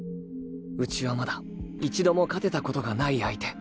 ウチはまだ一度も勝てたことがない相手